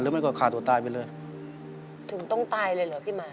แล้วมันก็ฆ่าตัวตายไปเลยถึงต้องตายเลยเหรอพี่หมา